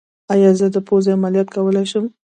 ایا زه د پوزې عملیات کولی شم؟